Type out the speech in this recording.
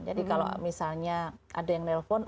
jadi kalau misalnya ada yang nelfon